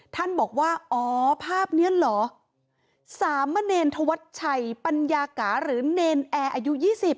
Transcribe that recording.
ท่านบอกว่าอ๋อภาพนี้เหรอสามเณรธวัชชัยปัญญากาหรือเนรนแอร์อายุ๒๐